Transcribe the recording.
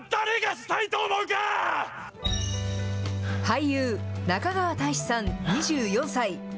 俳優、中川大志さん２４歳。